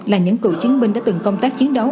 là những cựu chiến binh đã từng công tác chiến đấu